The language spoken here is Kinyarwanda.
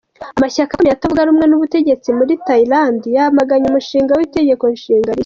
Amashyaka akomeye atavuga rumwe n'ubutegetsi muri Tayilande yamaganye umushinga w'itegekonshinga rishya.